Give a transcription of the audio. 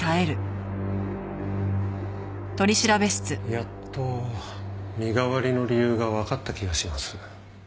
やっと身代わりの理由がわかった気がします。